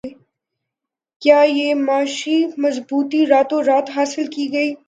کیا یہ معاشی مضبوطی راتوں رات حاصل کی گئی